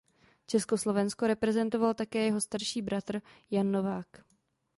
Československo reprezentoval také jeho starší bratr Jan Novák.